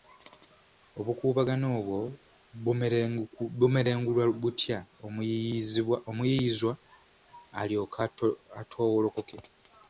Obukuubagano obwo bumerengulwa butya omuyiiyizwa alyoke atoowolokoke?